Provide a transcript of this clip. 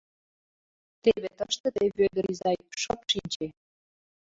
— Теве тыште тый, Вӧдыр изай, шып шинче!